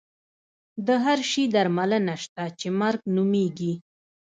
د هر شي درملنه شته چې مرګ نومېږي.